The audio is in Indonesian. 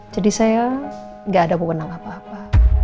jadi saya tidak ada kewenangan apa apa